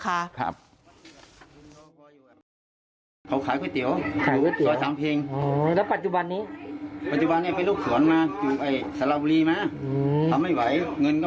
เขาขายก๋วยเตี๋ยวสวนสัมเภง